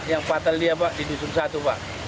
yang patah dia di dusun satu pak